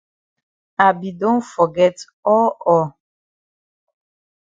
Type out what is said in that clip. I be don forget all all.